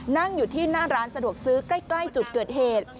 นั่งอยู่ที่หน้าร้านสะดวกซื้อใกล้จุดเกิดเหตุ